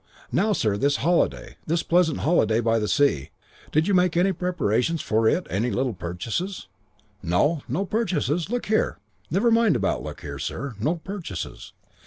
"'Now, sir, this holiday. This pleasant holiday by the sea! Did you make any preparations for it, any little purchases?' "'No. Purchases? No. Look here ' "'Never mind about "Look here," sir. No purchases?